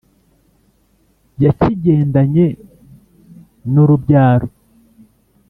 yakigendanye n'urubyaro